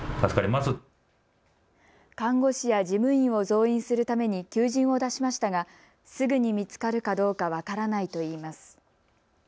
看護師や事務員を増員するために求人を出しましたがすぐに見つかるかどうか分からないといいます。